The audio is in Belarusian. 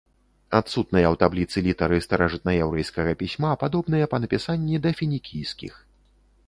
Адсутныя ў табліцы літары старажытнаяўрэйскага пісьма падобныя па напісанні да фінікійскіх.